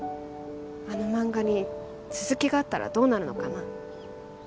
あの漫画に続きがあったらどうなるのかな